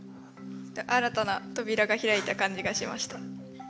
新たな扉が開いた感じがしました。